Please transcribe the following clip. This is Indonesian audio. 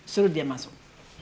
suruh dia masuk